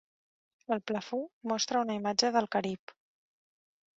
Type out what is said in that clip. El plafó mostra una imatge del Carib.